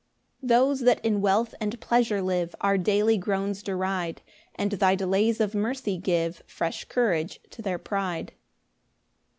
4 Those that in wealth and pleasure live Our daily groans deride, And thy delays of mercy give Fresh courage to their pride.